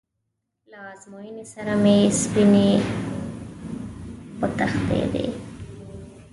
له ازموینې سره مې سپینې وتښتېدې.